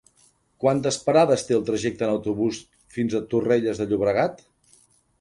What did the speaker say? Quantes parades té el trajecte en autobús fins a Torrelles de Llobregat?